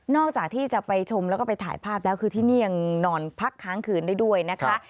จากที่จะไปชมแล้วก็ไปถ่ายภาพแล้วคือที่นี่ยังนอนพักค้างคืนได้ด้วยนะคะ